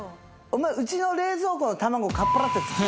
お前うちの冷蔵庫の卵かっぱらって作ったよな。